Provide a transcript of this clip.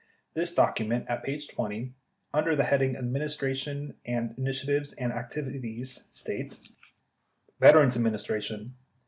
This document (at p. 20) , under the heading "Administration Initiatives and Activi ties," states : Veterans' Administration.